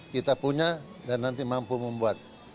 kita punya dan nanti mampu membuat